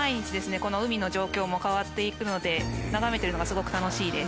この海の状況も変わっていくので眺めてるのがすごく楽しいです。